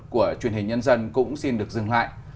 của truyền hình nhân dân cũng xin được dừng lại